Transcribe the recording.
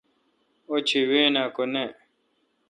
اوچھی وین ہکہ نہ۔